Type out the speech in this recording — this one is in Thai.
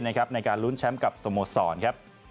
ในการลุ้นแชมป์กับสโมสรครับ